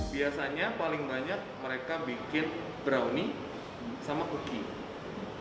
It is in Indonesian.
biasanya paling banyak mereka bikin brownie sama cookie